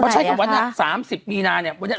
เพราะฉะนั้นวันสามสิบมีนายนนะ